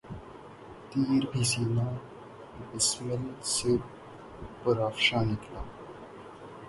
تیر بھی سینہٴ بسمل سے پرافشاں نکلا